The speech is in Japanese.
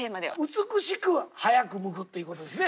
美しく早くむくっていうことですね。